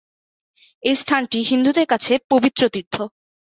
এই স্থানটি হিন্দুদের কাছে পবিত্র তীর্থ।